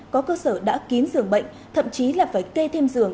có cơ sở đã kiếm giường bệnh thậm chí là phải kê thêm giường